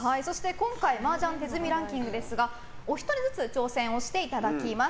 今回麻雀牌手積みランキングですがお一人ずつ挑戦していただきます。